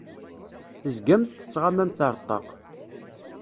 Tezgamt tettɣamamt ar ṭṭaq.